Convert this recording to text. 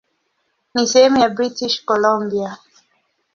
Ni sehemu ya British Columbia.